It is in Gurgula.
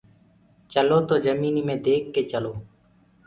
چلو تو جميني مي ديک ڪي چلو